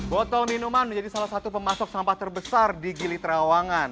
botol minuman menjadi salah satu pemasok sampah terbesar di gili terawangan